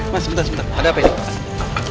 mas sebentar sebentar ada apa ini